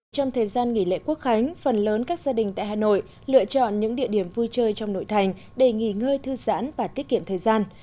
trong thời gian nghỉ lễ quốc khánh phần lớn các gia đình tại hà nội lựa chọn những địa điểm vui chơi trong nội thành để nghỉ ngơi thư giãn và tiết kiệm thời gian